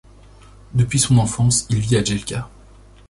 Depuis son enfance, il vit à Jelka.